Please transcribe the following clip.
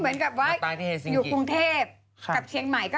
เหมือนอยู่กับกรุงเทพฯกับเชียงใหม่